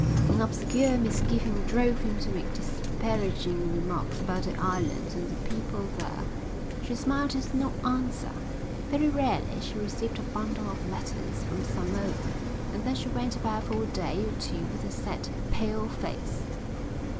An obscure misgiving drove him to make disparaging remarks about the island and the people there. She smiled and did not answer. Very rarely she received a bundle of letters from Samoa and then she went about for a day or two with a set, pale face.